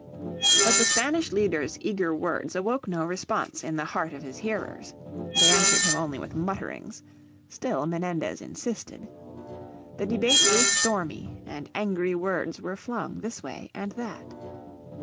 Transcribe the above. But the Spanish leader's eager words awoke no response in the hearts of his hearers. They answered him only with mutterings. Still Menendez insisted. The debate grew stormy, and angry words were flung this way and that.